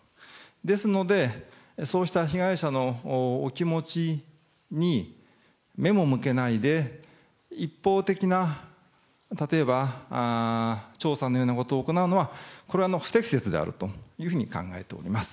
ですので、そうした被害者のお気持ちに目も向けないで一方的な例えば、調査のようなことを行うのは、これは不適切であるというふうに考えております。